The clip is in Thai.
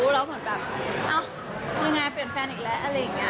แล้วเหมือนแบบอ้าวคือไงเปลี่ยนแฟนอีกแล้วอะไรอย่างนี้